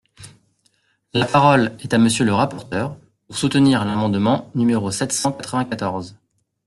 La parole est à Monsieur le rapporteur, pour soutenir l’amendement numéro sept cent quatre-vingt-quatorze.